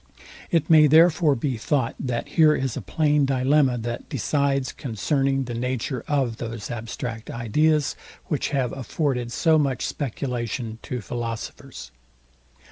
It may therefore be thought, that here is a plain dilemma, that decides concerning the nature of those abstract ideas, which have afforded so much speculation to philosophers.